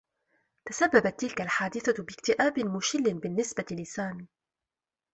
تسبّبت تلك الحادثة باكتئاب مشلّ بالنّسبة لسامي.